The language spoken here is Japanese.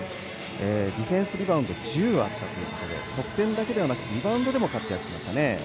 ディフェンスリバウンド１０あったということで得点だけではなくリバウンドでも活躍しましたね。